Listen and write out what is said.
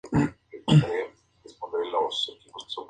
Como resultado, hubo llamados para un boicot de los productos de Kraft.